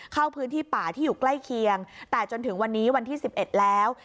เข้าพื้นที่ป่าที่อยู่ใกล้เคียงแต่จนถึงวันนี้วันที่๑๑แล้ว